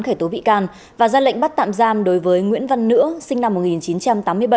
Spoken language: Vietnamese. khởi tố bị can và ra lệnh bắt tạm giam đối với nguyễn văn nữa sinh năm một nghìn chín trăm tám mươi bảy